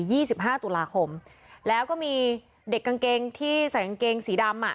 สิบห้าตุลาคมแล้วก็มีเด็กกางเกงที่ใส่กางเกงสีดำอ่ะ